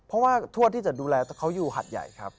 เพราะว่าทวดที่จะดูแลเขาอยู่หัดใหญ่ครับ